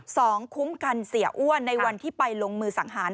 สองคุ้มกันเสียอ้วนในวันที่ไปลงมือสังหาร